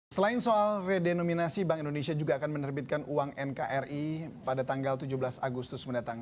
selain soal redenominasi bank indonesia juga akan menerbitkan uang nkri pada tanggal tujuh belas agustus mendatang